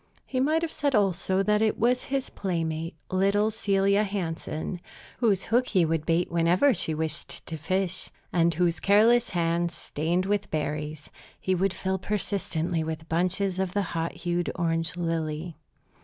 He might have said, also, that it was his playmate, little Celia Hansen, whose hook he would bait whenever she wished to fish, and whose careless hands, stained with berries, he would fill persistently with bunches of the hot hued orange lily.